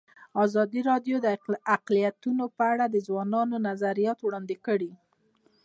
ازادي راډیو د اقلیتونه په اړه د ځوانانو نظریات وړاندې کړي.